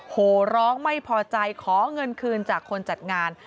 โหร้องไม่พอใจขอเงินคืนจากคนจัดงาน